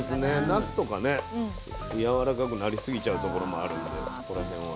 なすとかねやわらかくなりすぎちゃうところもあるんでそこら辺は。